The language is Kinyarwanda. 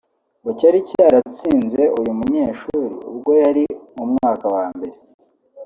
ngo cyari cyaratsinze uyu munyeshuri ubwo yari mu mwaka wa mbere